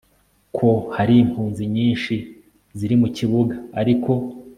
ho hari impunzi nyinshi ziri mu kibuga ariko